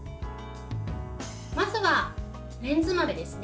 まずは、レンズ豆ですね。